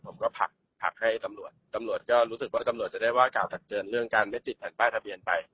ผลักให้ตำรวจตำรวจก็รู้สึกว่าตำรวจจะได้ว่ากล่าวตักเตือนเรื่องการไม่ติดแผ่นป้ายทะเบียนไป